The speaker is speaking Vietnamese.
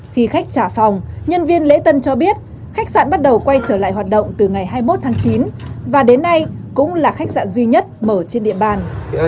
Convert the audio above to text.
khi khách trả phòng nhân viên lễ tân cho biết khách sạn bắt đầu quay trở lại hoạt động từ ngày hai mươi một tháng chín và đến nay cũng là khách sạn duy nhất mở trên địa bàn